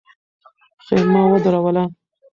خېمه ودروله.